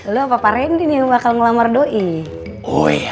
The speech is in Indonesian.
lo papa rendi nih bakal ngelamar doi oh ya oh iya